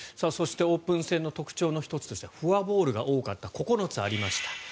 そして、オープン戦の特徴の１つとしてフォアボールが多かった９つありました。